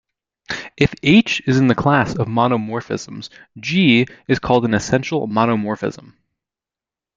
If "H" is the class of monomorphisms, "g" is called an essential monomorphism.